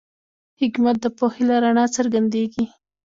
حکمت د پوهې له رڼا څرګندېږي.